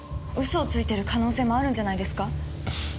嘘をついてる可能性もあるんじゃないですか？